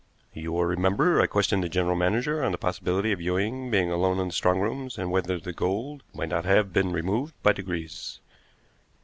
You will remember I questioned the general manager on the possibility of Ewing being alone in the strong rooms, and whether the gold might not have been removed by degrees.